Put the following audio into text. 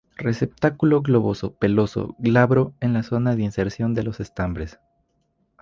Receptáculo globoso, peloso, glabro en la zona de inserción de los estambres.